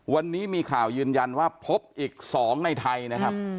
วันนี้มีข่าวยืนยันว่าพบอีก๒ในไทยนะครับ